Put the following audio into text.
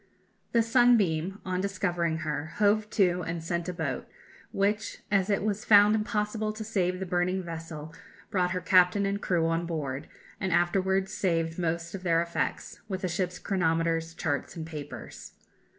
The Sunbeam, on discovering her, hove to, and sent a boat, which, as it was found impossible to save the burning vessel, brought her captain and crew on board, and afterwards saved most of their effects, with the ship's chronometers, charts, and papers.